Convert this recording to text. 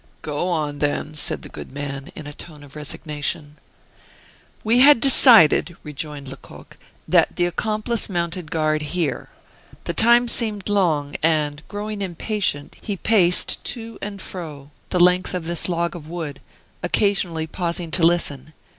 "Go on, then," said the good man, in a tone of resignation. "We had decided," rejoined Lecoq, "that the accomplice mounted guard here. The time seemed long, and, growing impatient, he paced to and fro the length of this log of wood occasionally pausing to listen.